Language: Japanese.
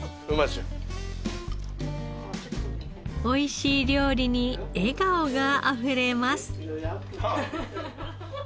美味しい料理に笑顔があふれます。